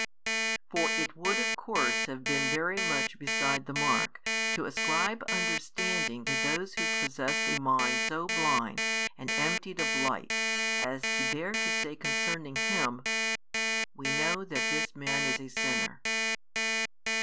For it would of course have been very much beside the mark, to ascribe understanding to those who possessed a mind so blind and emptied of light as to dare to say concerning Him: We know that this Man is a sinner.